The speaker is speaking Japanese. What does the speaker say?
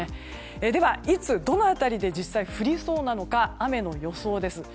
では、いつ、どの辺りで実際降りそうなのか雨の予想です。